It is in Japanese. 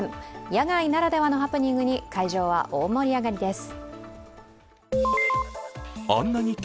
野外ならではのハプニングに会場は大盛り上がりです。